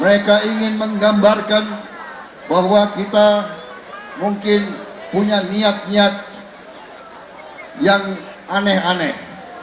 mereka ingin menggambarkan bahwa kita mungkin punya niat niat yang aneh aneh